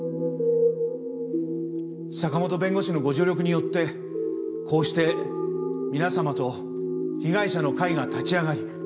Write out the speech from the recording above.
坂本弁護士のご助力によってこうして皆様と被害者の会が立ち上がり